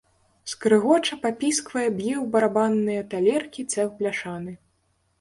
Скрыгоча, папісквае, б'е ў барабанныя талеркі цэх бляшаны.